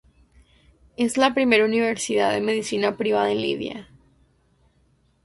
Es la primera universidad de medicina privada en Libia.